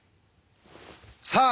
さあ